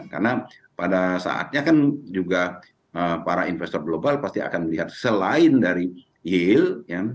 karena pada saatnya kan juga para investor global pasti akan melihat selain dari yield